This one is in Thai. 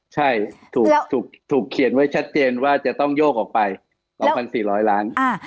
ใช่ถูกเขียนไว้ชัดเจนว่าจะต้องโยกออกไป๒๔๐๐ล้าน